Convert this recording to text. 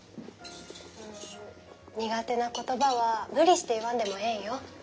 苦手な言葉は無理して言わんでもええんよ。